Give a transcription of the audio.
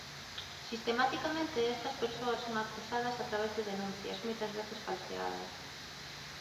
Sistematicamente estas persoas son acosadas a través de denuncias, moitas veces falseadas.